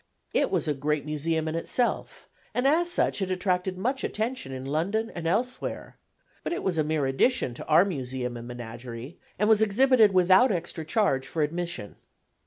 It was a great Museum in itself, and as such had attracted much attention in London and elsewhere, but it was a mere addition to our Museum and Menagerie; and was exhibited without extra charge for admission.